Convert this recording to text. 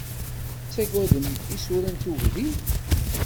Tettagademt isura n tugdi?